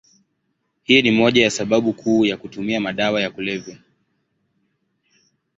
Hii ni moja ya sababu kuu ya kutumia madawa ya kulevya.